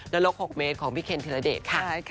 นรก๖เมตรของพี่เคนถือละเดชน์ค่ะ